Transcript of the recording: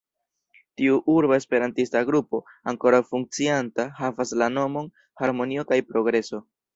Tiu urba esperantista grupo, ankoraŭ funkcianta, havas la nomon "harmonio kaj progreso".